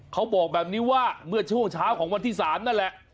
เขาบอกแบบนี้ว่าเมื่อช่วงเช้าของวันที่๓นั่นแหละ